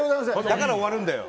だから終わるんだよ。